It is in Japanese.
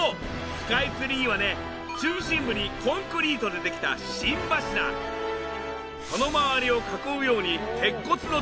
スカイツリーはね中心部にコンクリートでできた心柱その周りを囲うように鉄骨の塔が立っている。